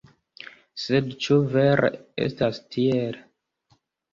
Sed ĉu vere estas tiel?